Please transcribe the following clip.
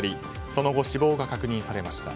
その後、死亡が確認されました。